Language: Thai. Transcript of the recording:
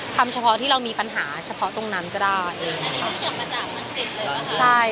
ทำเฉพาะที่เรามีปัญหาเฉพาะตรงนั้นก็ได้